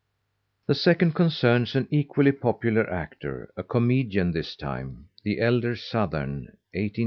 The second concerns an equally popular actor, a comedian this time, the elder Sothern (1826 1881).